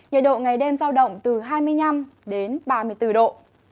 nhiệt độ ngày đêm giao động từ hai mươi năm đến ba mươi bốn độ